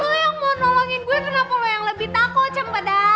lu yang mau nolongin gue kenapa lu yang lebih takut cempadang